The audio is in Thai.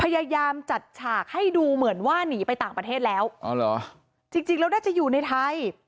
พยายามจัดฉากให้ดูเหมือนว่าหนีไปต่างประเทศแล้วอ๋อเหรอจริงจริงแล้วน่าจะอยู่ในไทย